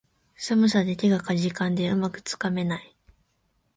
寒さで手がかじかんで、うまくつかめない